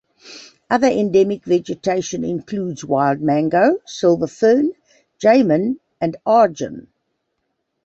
Other endemic vegetation includes wild mango, silver fern, jamun and "arjun".